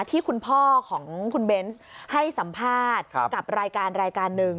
ที่คุณพ่อของคุณเบนส์ให้สัมภาษณ์กับรายการรายการหนึ่ง